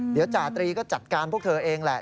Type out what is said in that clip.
เดี๋ยวจาตรีก็จัดการพวกเธอเองแหละ